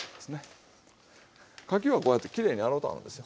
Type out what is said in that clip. かきはこうやってきれいに洗うてあるんですよ。